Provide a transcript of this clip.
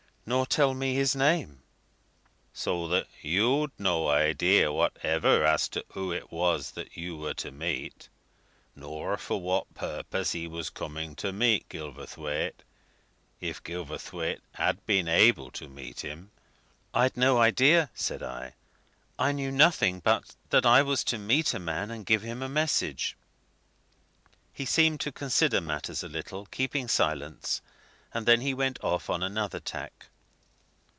"Nor tell me his name." "So that you'd no idea whatever as to who it was that you were to meet, nor for what purpose he was coming to meet Gilverthwaite, if Gilverthwaite had been able to meet him?" "I'd no idea," said I. "I knew nothing but that I was to meet a man and give him a message." He seemed to consider matters a little, keeping silence, and then he went off on another tack.